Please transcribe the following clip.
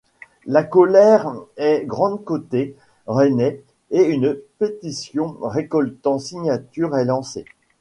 La colère est grande côté rennais et une pétition récoltant signatures est lancée.